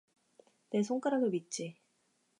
내 손가락을 믿지